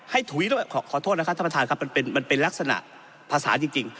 ให้ถุยขอโทษนะครับท่านประธานครับมันเป็นมันเป็นลักษณะพัฒนาจริงจริง